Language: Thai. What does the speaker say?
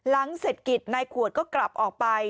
ลังเศษกีฝายในขวดก็กลับออกไป